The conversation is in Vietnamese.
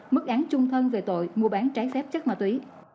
mức án chung thân về tội mua bán trái xếp chất ma túy